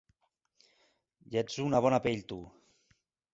Ja ets una bona pell, tu!